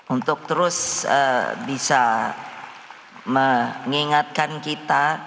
untuk terus bisa mengingatkan kita